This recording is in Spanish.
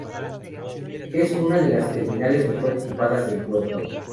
Es una de las terminales mejor equipadas del puerto.